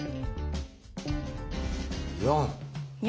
４。